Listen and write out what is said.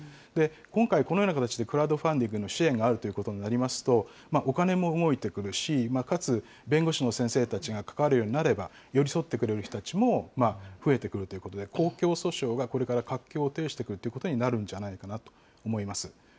今回、このような形でクラウドファンディングの支援があるということになりますと、お金も動いてくるし、かつ、弁護士の先生たちが関わるようになれば、寄り添ってくれる人たちも増えてくるということで、公共訴訟がこれから活況を呈してくるということになるんじゃないかなと思います。